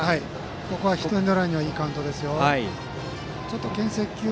ここはヒットエンドランにいいカウントです。